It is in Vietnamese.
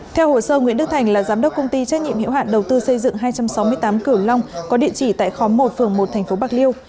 theo hồ sơ nguyễn đức thành là giám đốc công ty trách nhiệm hiệu hạn đầu tư xây dựng hai trăm sáu mươi tám cửu long có địa chỉ tại khóm một phường một tp bạc liêu